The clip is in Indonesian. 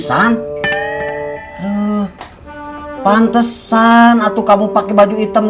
pantesan atau kamu pakai baju hitam